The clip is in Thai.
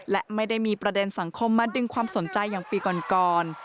และไม่ได้มีประเด็นสังคมมาดึงความสนใจอย่างปีก่อน